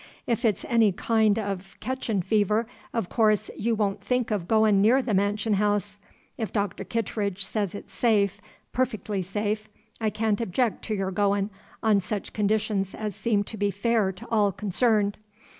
If it's any kind of ketchin' fever, of course you won't think of goin' near the mansion house. If Doctor Kittredge says it's safe, perfec'ly safe, I can't object to your goin', on sech conditions as seem to be fair to all' concerned.